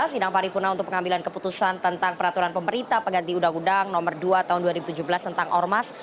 sidang paripurna untuk pengambilan keputusan tentang peraturan pemerintah pengganti undang undang nomor dua tahun dua ribu tujuh belas tentang ormas